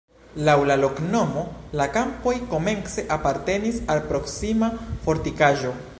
Laŭ la loknomo la kampoj komence apartenis al proksima fortikaĵo.